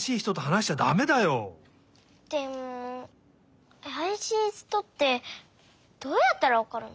でもあやしい人ってどうやったらわかるの？